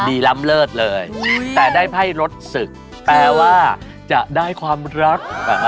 ล้ำเลิศเลยแต่ได้ไพ่รสศึกแปลว่าจะได้ความรัก